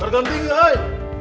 gargan tinggi hai